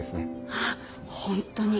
ああ本当に。